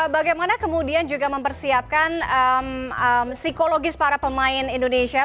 saya harus memperhatikan semua pemain thailand